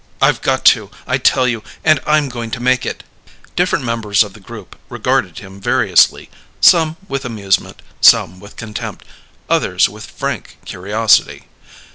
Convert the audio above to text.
I've got to, I tell you! And I'm going to make it!" Different members of the group regarded him variously, some with amusement, some with contempt, others with frank curiosity.